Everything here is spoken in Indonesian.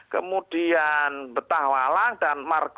kemudian betahwalang dan merdeka